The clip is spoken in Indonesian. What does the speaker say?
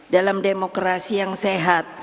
dalam demokrasi yang sehat